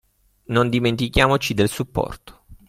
Non dimentichiamoci del supporto.